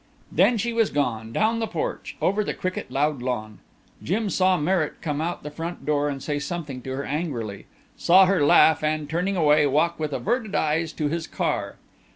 Then she was gone, down the porch, over the cricket loud lawn. Jim saw Merritt come out the front door and say something to her angrily saw her laugh and, turning away, walk with averted eyes to his car.